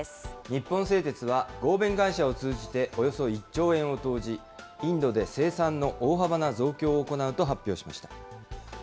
日本製鉄は合弁会社を通じて、およそ１兆円を投じ、インドで生産の大幅な増強を行うと発表しました。